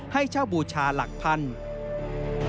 ให้เช่าบูชาหลักพันธุ์